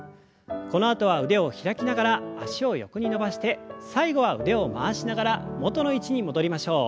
このあとは腕を開きながら脚を横に伸ばして最後は腕を回しながら元の位置に戻りましょう。